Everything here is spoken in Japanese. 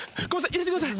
入れてください。